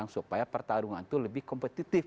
supaya pertarungan itu lebih kompetitif